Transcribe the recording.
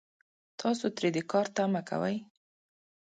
تاسو ترې د کار تمه کوئ